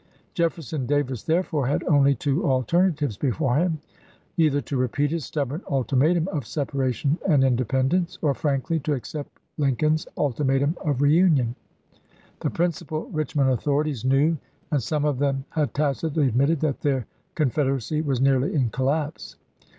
Jefferson Davis therefore had only two alterna tives before him — either to repeat his stubborn ultimatum of separation and independence, or frankly to accept Lincoln's ultimatum of reunion. The principal Richmond authorities knew, and some of them had tacitly admitted, that their Con federacy was nearly in collapse.